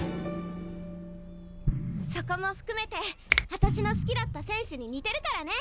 そこも含めてあたしの好きだった選手に似てるからね。